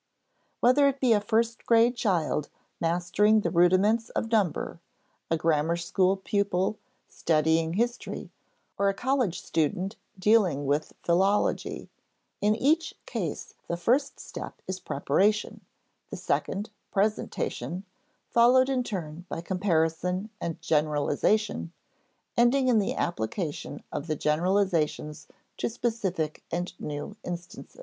Whether it be a first grade child mastering the rudiments of number, a grammar school pupil studying history, or a college student dealing with philology, in each case the first step is preparation, the second presentation, followed in turn by comparison and generalization, ending in the application of the generalizations to specific and new instances.